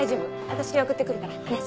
私送って来るからねっ。